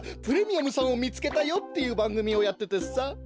「プレミアムさんを見つけたよ！」っていうばんぐみをやっててさ。